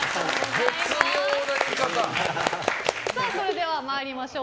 それでは参りましょう。